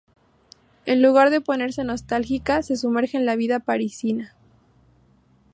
En lugar de ponerse nostálgica, se sumerge en la vida parisina.